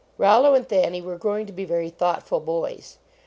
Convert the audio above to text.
Rollo and Thanny were growing to be very thoughtful boys.